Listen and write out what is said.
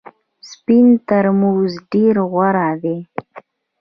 سپین ترموز ډېر غوره دی .